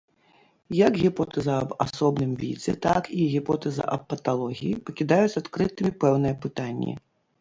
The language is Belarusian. Як гіпотэза аб асобным відзе, так і гіпотэза аб паталогіі пакідаюць адкрытымі пэўныя пытанні.